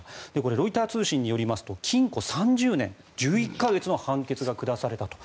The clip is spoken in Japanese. ロイター通信によりますと禁錮３０年１１か月の判決が下されたと。